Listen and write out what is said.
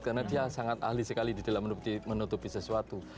karena dia sangat ahli sekali di dalam menutupi sesuatu